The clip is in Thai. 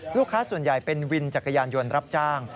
ลูกค้าส่วนใหญ่เป็นวินจักรยานยนต์รับจ้าง